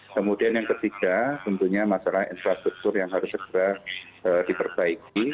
kemudian yang ketiga tentunya masalah infrastruktur yang harus segera diperbaiki